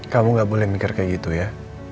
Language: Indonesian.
kamu gak boleh mikir kayak gitu ya